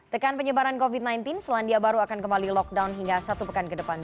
tekan penyebaran covid sembilan belas selandia baru akan kembali lockdown hingga satu pekan ke depan